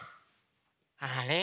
あれ？